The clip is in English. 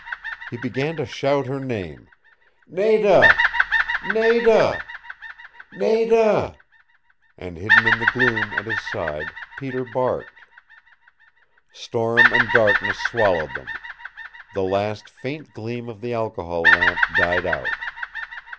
He began to shout her name. "Nada Nada Nada!" And hidden in the gloom at his side Peter barked. Storm and darkness swallowed them. The last faint gleam of the alcohol lamp died out.